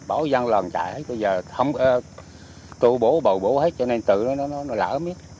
bỏ dân lòn chạy bây giờ không tụ bố bầu bố hết cho nên tự nó lỡ mít